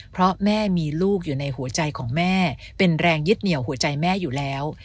เพราะแม่มีลูกอยู่ในหัวใจของแม่เป็นแรงยึดเหนี่ยวหัวใจแม่อยู่แล้ว